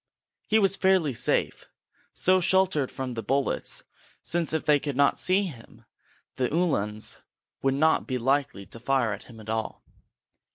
He was fairly safe, so sheltered from the bullets, since if they could not see him, the Uhlans would not be likely to fire at him at all.